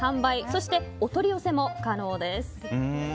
そしてお取り寄せも可能です。